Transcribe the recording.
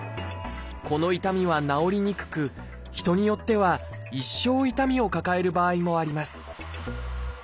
この痛みは治りにくく人によっては一生痛みを抱える場合もあります